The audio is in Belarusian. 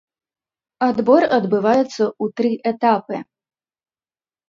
Адбор адбываецца ў тры этапы.